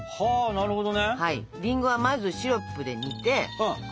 なるほど。